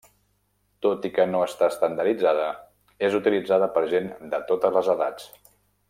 Tot i que no està estandarditzada, és utilitzada per gent de totes les edats.